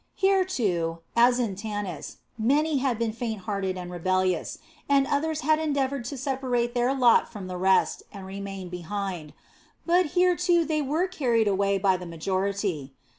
Here, too, as in Tanis, many had been faint hearted and rebellious, and others had endeavored to separate their lot from the rest and remain behind; but here, too, they were carried away by the majority.